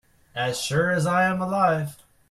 As sure as I am alive.